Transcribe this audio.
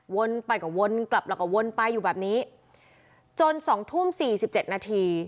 ไปก็วนกลับแล้วก็วนไปอยู่แบบนี้จนสองทุ่มสี่สิบเจ็ดนาที